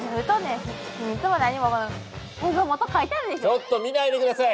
ちょっと見ないで下さい！